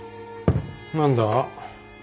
何だ？